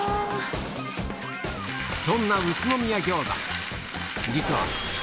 そんな宇都宮餃子